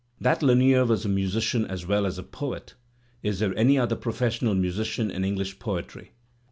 That Lanier was a musician as well as a poet (is there any other professional musician in English poetry?)